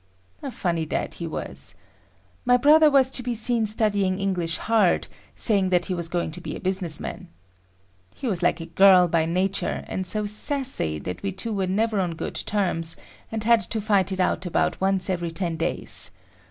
A funny dad he was. My brother was to be seen studying English hard, saying that he was going to be a businessman. He was like a girl by nature, and so "sassy" that we two were never on good terms, and had to fight it out about once every ten days.